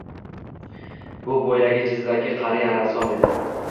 Bu boyagi jizzaki qariya rassom edi.